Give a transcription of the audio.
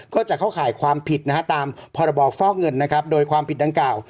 ก็จะเข้าข่ายความผิดนะฮะตามพรบฟอกเงินนะครับโดยความผิดดังกล่าว